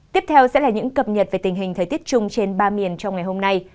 tiếp theo sẽ là những cập nhật về tình hình thời tiết chung trên ba miền trong ngày hôm nay